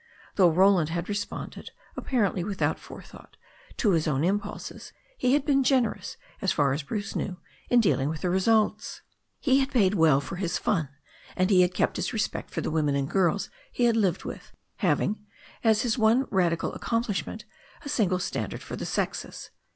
Though Roland had responded, apparently without fore thought, to his own impulses, he had been generous, as far as Bruce knew, in dealing with the results. He had paid well for all his fun, and he had kept his respect for the women and girls he had lived with, having, as his one rad ical accomplishment, a single standard for the sexes.